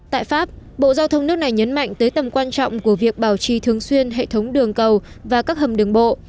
tại pháp bộ giao thông nước này nhấn mạnh tới tầm quan trọng của việc bảo trì thường xuyên hệ thống đường cầu và các hầm đường bộ